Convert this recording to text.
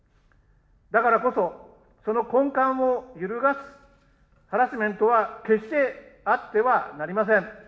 だからこそ、その根幹を揺るがすハラスメントは、決してあってはなりません。